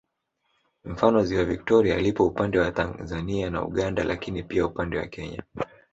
Mfano ziwa Viktoria lipo upande wa Tanzania na Uganda lakini pia upande wa Kenya